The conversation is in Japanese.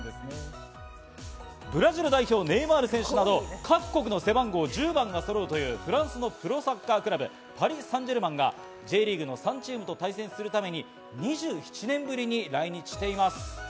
ブラジル代表・ネイマール選手など各国の背番号１０番が揃うというフランスのプロサッカークラブ、パリ・サンジェルマンがＪリーグの３チームと対戦するために２７年ぶりに来日しています。